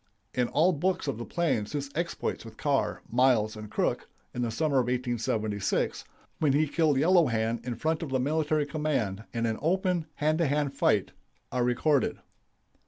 In all books of the plains his exploits with Carr, Miles, and Crook, in the summer of 1876, when he killed Yellow Hand in front of the military command in an open hand to hand fight, are recorded.